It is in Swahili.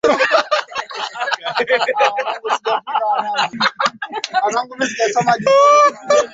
Habari hizo zikatangazwa kwa sauti tu kwa miaka kadhaa halafu zikaanza kuandikwa